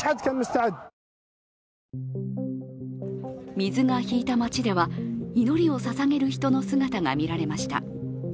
水が引いた街では祈りをささげる人の姿が見られました。